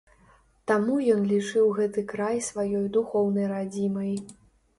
Таму ён лічыў гэты край сваёй духоўнай радзімай.